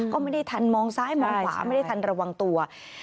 ก็ไม่ได้ทันมองซ้ายมองขวาไม่ได้ทันระวังตัว